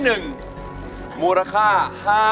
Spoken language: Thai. โหใจโหใจโห